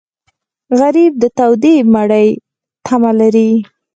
غریب د تودې مړۍ تمه لري